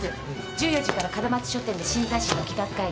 １４時から「カドマツ書店」で新雑誌の企画会議。